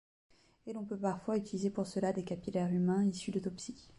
Et l'on peut parfois utiliser pour cela des capillaires humains issus d'autopsies.